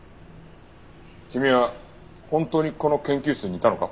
君は本当にこの研究室にいたのか？